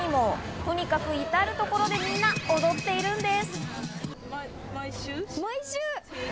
とにかく、いたるところでみんな踊っているんです。